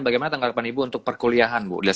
bagaimana tanggapan ibu untuk perkuliahan bu